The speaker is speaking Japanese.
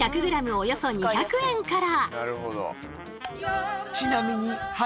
およそ２００円から。